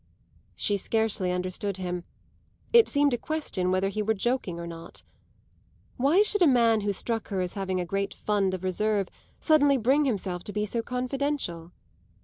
She scarcely understood him; it seemed a question whether he were joking or not. Why should a man who struck her as having a great fund of reserve suddenly bring himself to be so confidential?